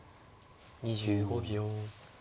２５秒。